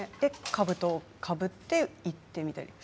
かぶとを、かぶって射ってみたり。